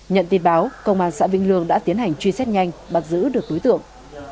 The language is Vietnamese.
nhận tin báo công an xã vinh lương đã tiến hành truy xét nhanh bắt giữ được đối tượng